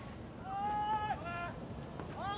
・おい！